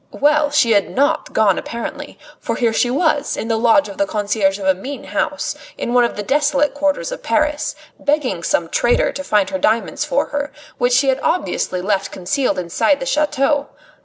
Well! she had not gone apparently, for here she was, in the lodge of the concierge of a mean house in one of the desolate quarters of Paris, begging some traitor to find her diamonds for her, which she had obviously left concealed inside the chateau.